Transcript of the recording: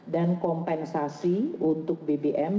dan kompensasi untuk bbm